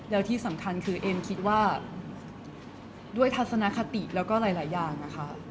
แล้วที่สำคัญคือเอ็มคิดว่าด้วยทัศนคติแล้วก็หลายอย่างนะคะ